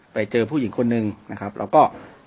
ไปเจอผู้หญิงคนนึงนะครับแล้วก็